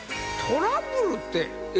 トラブルって。